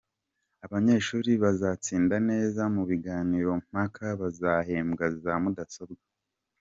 Abanyeshuri bazatsinda neza mu biganiro mpaka bazahembwa za mudasobwa